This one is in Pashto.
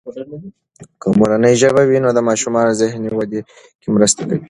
که مورنۍ ژبه وي، نو د ماشومانو ذهني ودې کې مرسته کوي.